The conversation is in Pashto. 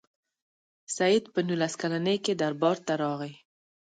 سید په نولس کلني کې دربار ته راغی.